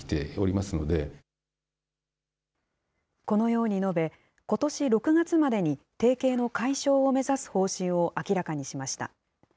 このように述べ、ことし６月までに提携の解消を目指す方針を明らかにしました。